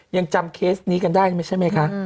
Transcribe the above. ยังจำเคสนี้กันได้ไม่ใช่ไหมคะ